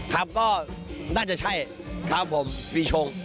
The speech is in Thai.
ครับก็น่าจะใช่ครับผมปีชง